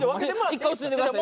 一回落ち着いてください。